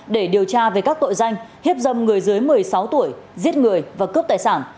để điều tra về các tội danh hiếp dâm người dưới một mươi sáu tuổi giết người và cướp tài sản